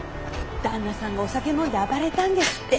旦那さんがお酒飲んで暴れたんですって。